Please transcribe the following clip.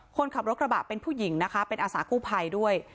คนขับรถกระบะเป็นผู้หญิงนะคะเป็นอาสากู้ภัยด้วย